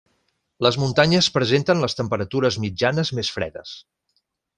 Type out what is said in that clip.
Les muntanyes presenten les temperatures mitjanes més fredes.